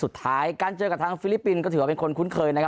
สุดท้ายการเจอกับทางฟิลิปปินส์ก็ถือว่าเป็นคนคุ้นเคยนะครับ